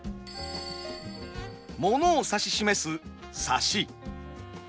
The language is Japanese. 物を指し示すサシ。